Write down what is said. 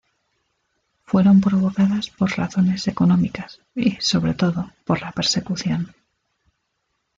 Fueron provocadas por razones económicas y, sobre todo, por la persecución.